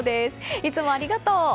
いつもありがとう！